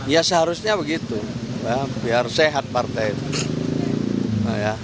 ya seharusnya begitu biar sehat partai itu